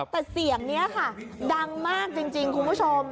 แต่เสียงนี้ค่ะดังมากจริงคุณผู้ชม